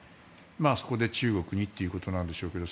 そこで、中国がいいということなんでしょうけど。